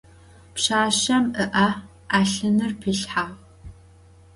Pşsaşsem ı'e 'elhınır pilhhag.